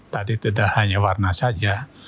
tadi tidak hanya warna saja